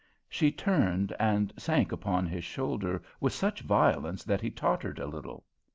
She turned and sank upon his shoulder with such violence that he tottered a little.